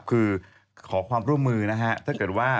คือขอความร่วมมือนะฮะถ้าเกิดว่า